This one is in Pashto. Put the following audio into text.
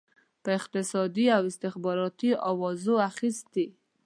په اقتصادي او استخباراتي اوزارو اخیستي.